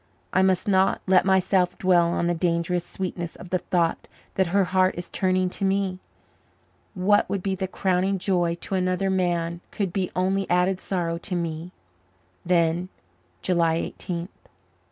I must not let myself dwell on the dangerous sweetness of the thought that her heart is turning to me. What would be the crowning joy to another man could be only added sorrow to me. Then: July Eighteenth.